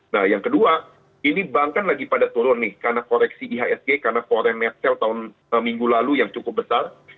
nah yang kedua ini bank kan lagi pada turun nih karena koreksi ihsg karena foreign net sale tahun minggu lalu yang cukup besar